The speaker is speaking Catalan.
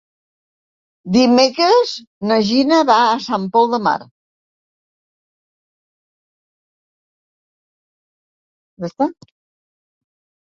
Dimecres na Gina va a Sant Pol de Mar.